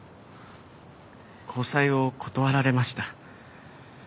交際を断られました。